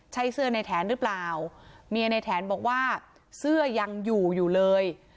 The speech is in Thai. ใช่เสื้อในแถนหรือเปล่าเมียในแถนบอกว่าเสื้อยังอยู่อยู่เลย